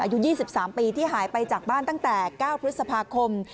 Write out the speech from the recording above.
อายุ๒๓ปีที่หายไปจากบ้านตั้งแต่๙พฤษภาคม